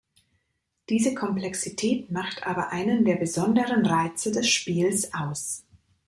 Diese Komplexität macht aber einen der besonderen Reize des Spiels aus.